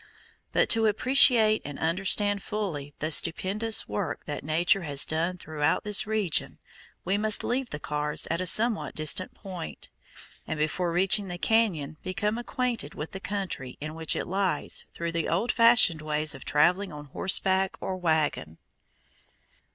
But to appreciate and understand fully the stupendous work that nature has done throughout this region we must leave the cars at a somewhat distant point, and before reaching the cañon become acquainted with the country in which it lies through the old fashioned ways of travelling on horseback or wagon.